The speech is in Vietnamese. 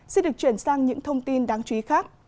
xin được chuyển sang những thông tin đáng chú ý khác